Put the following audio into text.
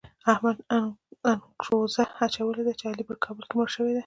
احمد انګروزه اچولې ده چې علي په کابل کې مړ شوی دی.